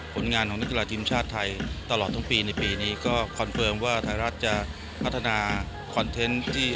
ผลงานของนักกีฬาทีมชาติไทยตลอดทั้งปีในปีนี้ก็คอนเฟิร์มว่าไทยรัฐจะพัฒนาคอนเทนต์ที่